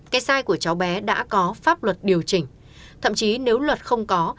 cái sai của cháu bé đã có pháp luật điều chỉnh thậm chí nếu luật không có